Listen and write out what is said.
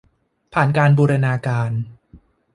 ผ่านการบูรณาการ